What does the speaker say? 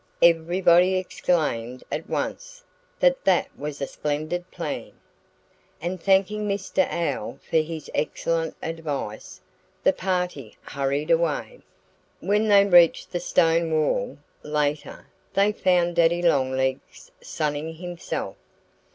Everybody exclaimed at once that that was a splendid plan. And thanking Mr. Owl for his excellent advice, the party hurried away. When they reached the stone wall, later, they found Daddy Longlegs sunning himself.